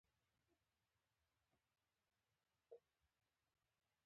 پښتو ژبه د افغانستان یوه رسمي ژبه ده.